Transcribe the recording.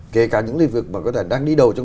kể cả những lĩnh vực mà đang đi đầu trong